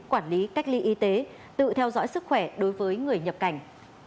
quản lý cách ly y tế tự theo dõi sức khỏe đối với người nhập cảnh